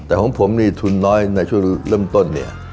แต่ของผมนี่ทุนน้อยในช่วงเริ่มต้นเนี่ย